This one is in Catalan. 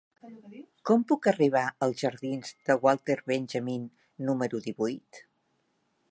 Com puc arribar als jardins de Walter Benjamin número divuit?